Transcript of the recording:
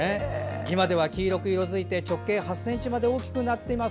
今では黄色く色づいて直径８ｃｍまで大きくなってます。